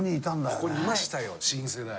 ここにいましたよ新世代。